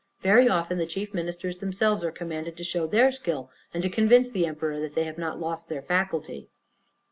Very often the chief ministers themselves are commanded to show their skill, and to convince the emperor that they have not lost their faculty.